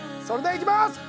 それではいきます！